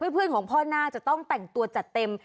เพื่อนของพ่อน่าจะต้องแต่งตัวจัดเต็ม